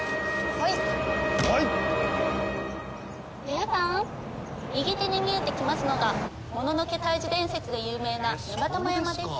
皆さん右手に見えてきますのがもののけ退治伝説で有名なぬばたま山です。